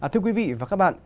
thưa quý vị và các bạn